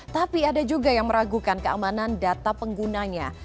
tapi ada juga yang meragukan keamanan data penggunanya